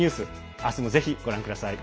明日も、ぜひご覧ください。